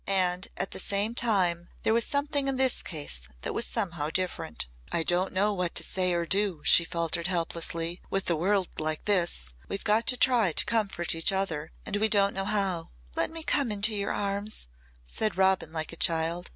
And at the same time there was something in this case that was somehow different. "I don't know what to say or do," she faltered helplessly. "With the world like this we've got to try to comfort each other and we don't know how." "Let me come into your arms," said Robin like a child.